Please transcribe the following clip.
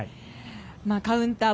カウンター。